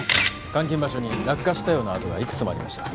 監禁場所に落下したような痕がいくつもありました